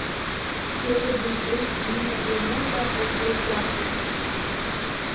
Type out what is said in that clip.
Света дызҿыз Мина ианылба, лгәы иахәеит.